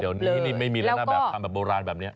เดี๋ยวนี้นี่ไม่มีแล้วนะแบบทำแบบโบราณแบบนี้